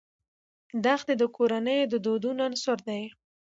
دښتې د کورنیو د دودونو عنصر دی.